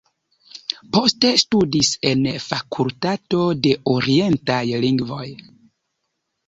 Poste studis en fakultato de orientaj lingvoj.